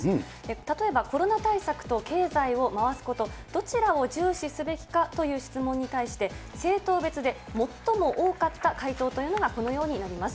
例えばコロナ対策と経済を回すこと、どちらを重視すべきかという質問に対して、政党別で最も多かった回答というのがこのようになります。